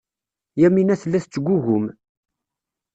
Yamina tella tettgugum.